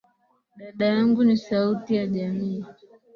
Dada yangu ni sauti ya jamii.